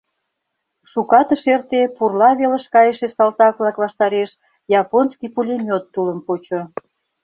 Шукат ыш эрте — пурла велыш кайыше салтак-влак ваштареш японский пулемёт тулым почо.